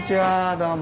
どうも。